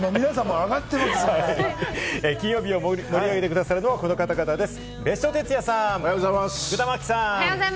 金曜日を盛り上げて下さるのはこの方々です。